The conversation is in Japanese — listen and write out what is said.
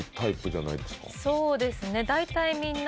そうですね大体。